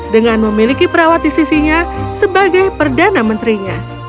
dengan memiliki perawat di sisinya sebagai perdana menterinya